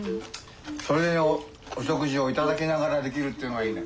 それをお食事を頂きながらできるっていうのがいいね。